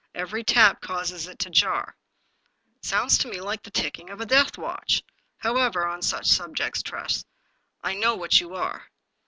Every tap causes it to jar." " It sounds to me like the ticking of a deathwatch.. However, on such subjects. Tress, I know what you are."